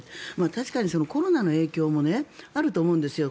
確かにコロナの影響もあると思うんですよ。